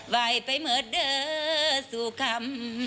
ไหวไปเหมือนเด้อสู่คำ